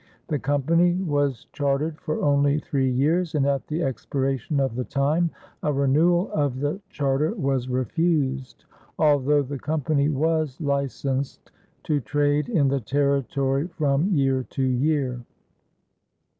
The Company was chartered for only three years, and at the expiration of the time a renewal of the charter was refused, although the Company was licensed to trade in the territory from year to year.